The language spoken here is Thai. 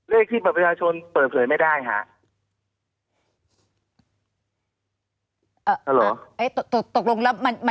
เลขที่บัตรประชาชนเปิดเผยไม่ได้ค่ะ